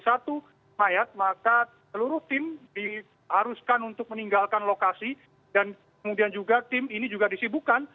satu mayat maka seluruh tim diharuskan untuk meninggalkan lokasi dan kemudian juga tim ini juga disibukan